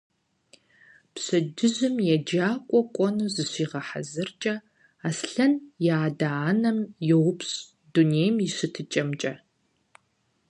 Пщэдджыжьым еджакӀуэ кӀуэну зыщигъэхьэзыркӀэ, Аслъэн и адэмрэ анэмрэ йоупщӀ дунейм и щытыкӀэмкӀэ.